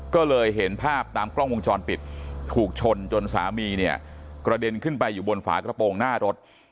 ก็เลยเห็นภาพตามกล้องวงจรปิดถูกชนจนสามีเนี่ยกระเด็นขึ้นไปอยู่บนฝากระโปรงหน้ารถ